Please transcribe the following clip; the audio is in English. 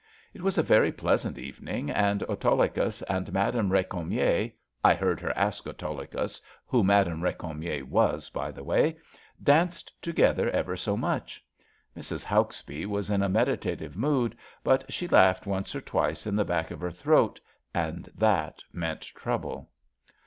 It was a very pleasant evening, and Autolycus and Madame Becamier — ^I heard her ask Autolycus who Madame Becamier was, by the way— danced together ever so much. Mrs. Hauksbee was in a meditative mood, but she laughed once or twice in the back of her throat, and that meant trouble.